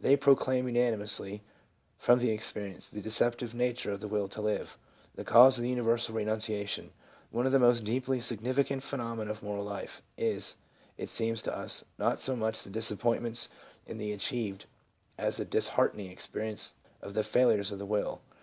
They proclaim unanimously, from ex perience, the deceptive nature of the will to live. The cause of this universal renunciation — one of the most deeply signifi cant phenomena of moral life — is, it seems to us, not so much the disappointments in the achieved as the dishearten ing experience of the failures of the will.